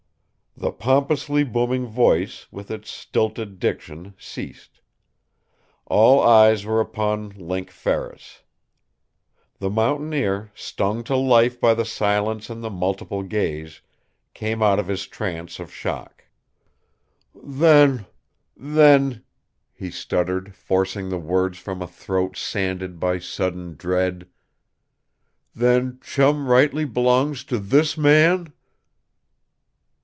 The pompously booming voice, with its stilted diction, ceased. All eyes were upon Link Ferris. The mountaineer, stung to life by the silence and the multiple gaze, came out of his trance of shock. "Then then," he stuttered, forcing the words from a throat sanded by sudden dread, "then Chum rightly b'longs to this man?"